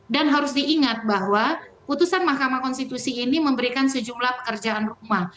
dan harus diingat bahwa putusan mahkamah konstitusi ini memberikan sejumlah pekerjaan rumah